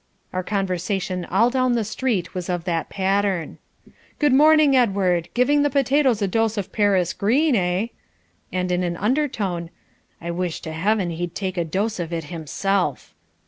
Our conversation all down the street was of that pattern. "Good morning, Edward! Giving the potatoes a dose of Paris green, eh?" And in an undertone "I wish to Heaven he'd take a dose of it himself."